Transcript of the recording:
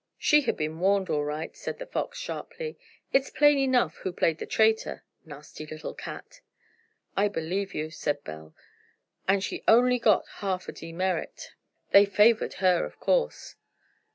"She had been warned, all right," said the Fox, sharply. "It's plain enough who played the traitor. Nasty little cat!" "I believe you," said Belle. "And she only got half a demerit. They favored her, of course."